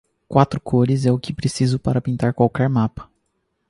Quatro cores é o que preciso para pintar qualquer mapa.